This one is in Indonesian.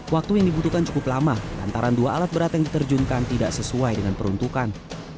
waktu yang dibutuhkan cukup lama lantaran dua alat berat yang diterjunkan tidak sesuai dengan peruntukan